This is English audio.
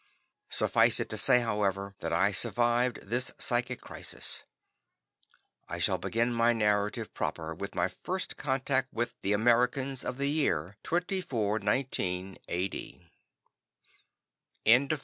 Suffice it to say, however, that I survived this psychic crisis. I shall begin my narrative proper with my first contact with Americans of the year 2419 A.D.